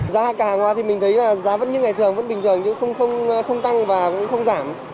giá cả hàng hóa thì mình thấy là giá vẫn như ngày thường vẫn bình thường nhưng không tăng và cũng không giảm